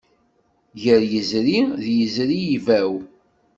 Gar yizri, d yizri ibaw.